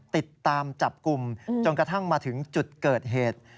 ติดตามจับกลุ่มจนกระทั่งมาถึงจุดเกิดเหตุ